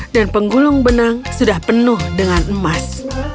dan penggulung benang sudah penuh dengan emas